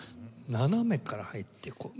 斜めから入ってこう。